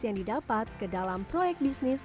yang didapat ke dalam proyek bisnis